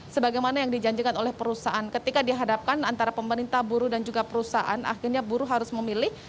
sebagaimana yang dijanjikan oleh perusahaan ketika dihadapkan antara pemerintah buruh dan juga perusahaan akhirnya buruh harus memilih